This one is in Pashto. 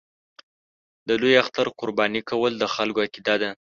د لوی اختر قرباني کول د خلکو عقیده ده.